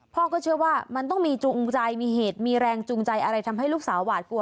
พ่อก็เชื่อว่ามันต้องมีจูงใจมีเหตุมีแรงจูงใจอะไรทำให้ลูกสาวหวาดกลัว